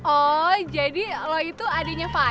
oh jadi lo itu adiknya pak